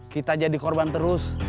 kita jadi korban terus